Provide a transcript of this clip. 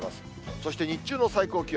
そして日中の最高気温。